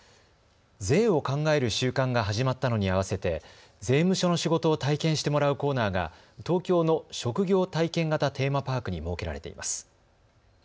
税を考える週間が始まったのに合わせて税務署の仕事を体験してもらうコーナーが東京の職業体験型テーマパークに設けられています。